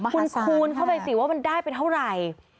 คุณคูณเข้าไปสิว่ามันได้ไปเท่าไหร่